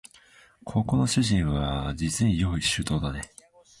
ここの主人はじつに用意周到だね